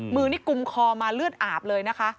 มือนี่กุมคอมาเลือดอาบเลยนะคะ